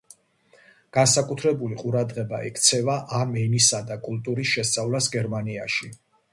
განსაკუთრებული ყურადღება ექცევა ამ ენისა და კულტურის შესწავლას გერმანიაში.